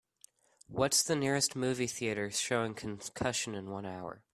what's the nearest movie theatre showing Concussion in one hour